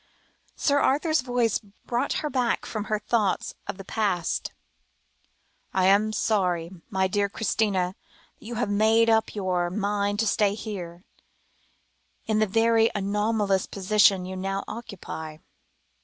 Sir Arthur's voice brought her back from her thoughts of the past. "I am sorry, my dear Christina, that you have made up your mind to stay here, in the very anomalous position you now occupy.